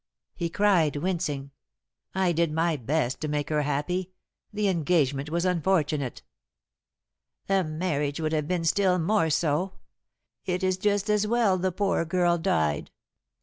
he cried, wincing. "I did my best to make her happy. The engagement was unfortunate." "The marriage would have been still more so. It is just as well the poor girl died.